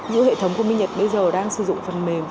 những hệ thống của minh nhật bây giờ đang sử dụng phần mềm